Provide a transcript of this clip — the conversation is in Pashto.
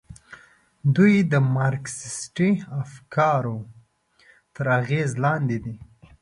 دوی د مارکسیستي افکارو تر اغېز لاندې دي.